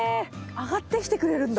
上がってきてくれるんだ。